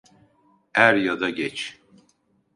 Er ya da geç.